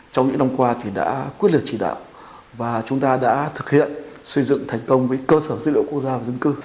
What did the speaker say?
trong những năm qua thì đã quyết liệt chỉ đạo và chúng ta đã thực hiện xây dựng thành công với cơ sở dữ liệu quốc gia và dân cư